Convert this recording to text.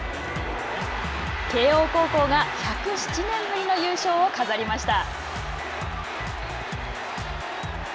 慶応高校が１０７年ぶりの優勝を飾りました。